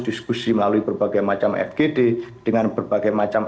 diskusi melalui berbagai macam